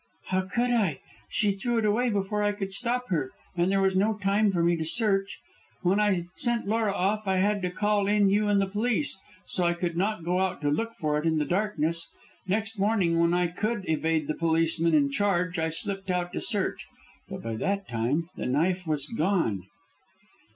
"How could I? She threw it away before I could stop her, and there was no time for me to search. When I sent Laura off, I had to call in you and the police, so I could not go out to look for it in the darkness. Next morning, when I could evade the policeman in charge, I slipped out to search. But by that time the knife was gone."